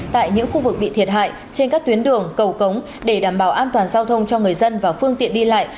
tại những khu vực bị thiệt hại trên các tuyến đường cầu cống để đảm bảo an toàn giao thông cho người dân và phương tiện đi lại